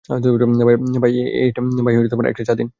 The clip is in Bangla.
ভাই একটা চা দিন?